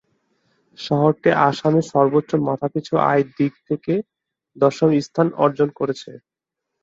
শহরটি আসামের সর্বোচ্চ মাথাপিছু আয় দিক থেকে দশম স্থান অর্জন করেছে।